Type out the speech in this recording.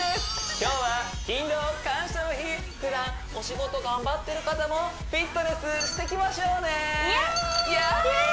今日は勤労感謝の日ふだんお仕事頑張ってる方もフィットネスしてきましょうね